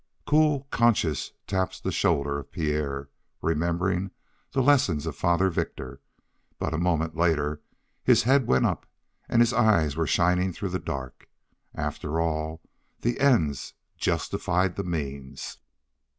Cold conscience tapped the shoulder of Pierre, remembering the lessons of Father Victor, but a moment later his head went up and his eyes were shining through the dark. After all, the end justified the means.